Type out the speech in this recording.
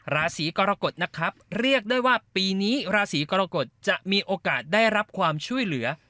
ราศีกรกฎนะครับเรียกได้ว่าปีนี้ราศีกรกฎจะมีโอกาสได้รับความช่วยเหลือ